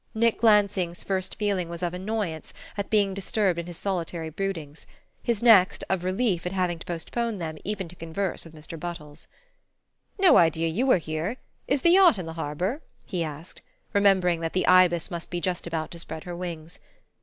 Nick Lansing's first feeling was of annoyance at being disturbed in his solitary broodings; his next, of relief at having to postpone them even to converse with Mr. Buttles. "No idea you were here: is the yacht in harbour?" he asked, remembering that the Ibis must be just about to spread her wings.